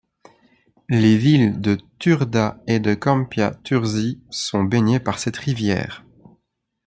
Les villes de Turda et de Câmpia Turzii sont baignées par cette rivière.